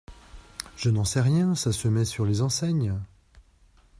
Je n’en sais rien… ça se met sur les enseignes.